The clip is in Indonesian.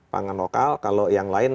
pangan lokal kalau yang lain